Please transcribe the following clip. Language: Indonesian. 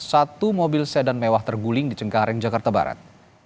satu mobil sedan mewah terguling di cengkareng jakarta barat